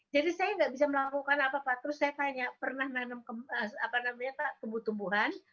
jadi saya enggak bisa melakukan apa apa terus saya tanya pernah nanam apa namanya tembu tembuhan